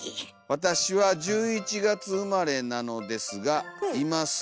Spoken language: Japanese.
「わたしは１１がつうまれなのですがいます